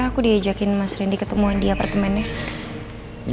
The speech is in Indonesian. aku diajakin mas randy ketemuan di apartemennya